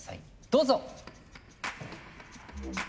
どうぞ！